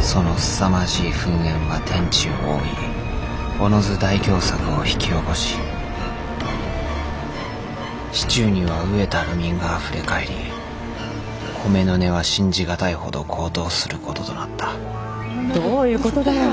そのすさまじい噴煙は天地を覆いおのず大凶作を引き起こし市中には飢えた流民があふれ返り米の値は信じがたいほど高騰することとなったどういうことだよ！